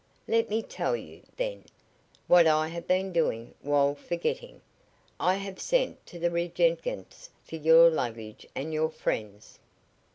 "Let me tell you, then, what I have been doing while forgetting. I have sent to the Regengetz for your luggage and your friend's.